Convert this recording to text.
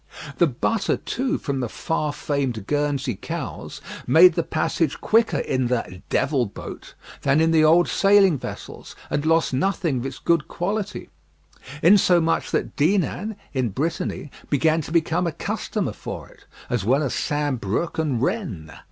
The butter, too, from the far famed Guernsey cows, made the passage quicker in the "Devil Boat" than in the old sailing vessels, and lost nothing of its good quality, insomuch that Dinan, in Brittany, began to become a customer for it, as well as St. Brieuc and Rennes.